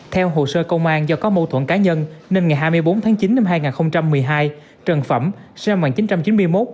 theo hồ sơ công an do có mâu thuẫn cá nhân nên ngày hai mươi bốn tháng chín năm hai nghìn một mươi hai trần phẩm sinh năm một nghìn chín trăm chín mươi một